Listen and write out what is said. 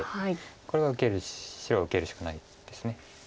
これは受ける白は受けるしかないです。